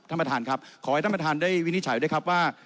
ท่านประธานครับขอให้ท่านประธานได้วินิจฉัยด้วยครับว่า